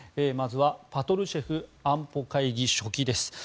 まずはパトルシェフ安保会議書記です。